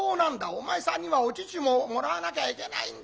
お前さんにはお乳ももらわなきゃいけないんですよ。